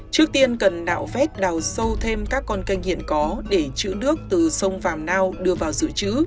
trước tiên cần đạo vét đào sâu thêm các con canh hiện có để chữ nước từ sông phạm nao đưa vào giữ chữ